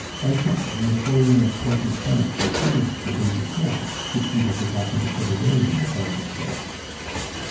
Item, the napoleon of forty francs received the day before, which she had forgotten to put away in the velvet purse.